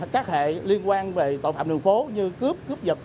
các hệ liên quan về tội phạm đường phố như cướp cướp giật